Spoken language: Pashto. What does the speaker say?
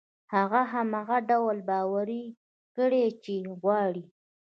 هغه هماغه ډول باوري کړئ چې غواړي يې.